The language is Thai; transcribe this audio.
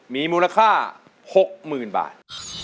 มีมูลค่า๖๐๐๐บาท